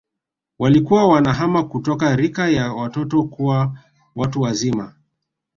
Walikuwa wanahama kutoka rika ya watoto kuwa watu wazima